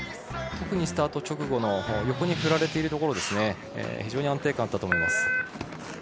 特にスタート直後横に振られているところ非常に安定感があったと思います。